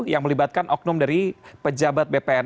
yang melibatkan oknum dari pejabat bpn